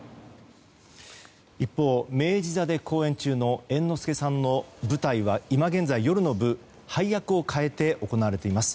一方、明治座で公演中の猿之助さんの舞台は今現在、夜の部配役を変えて行われています。